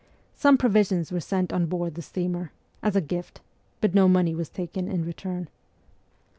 Some provisions were sent on board the steamer as a gift, but no money was taken in return.